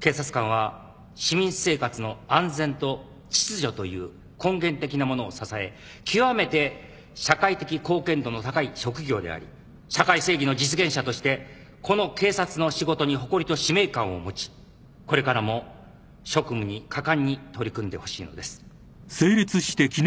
警察官は市民生活の安全と秩序という根源的なものを支え極めて社会的貢献度の高い職業であり社会正義の実現者としてこの警察の仕事に誇りと使命感を持ちこれからも職務に果敢に取り組んでほしいのです。